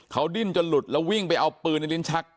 เขาดิ้นจนหลุดแล้ววิ่งไปเอาปืนในลิ้นชัก